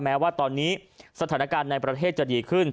แม้ว่าตอนนี้สถานการณ์ในประเทศจะดีขึ้น